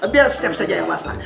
biar seth saja yang masak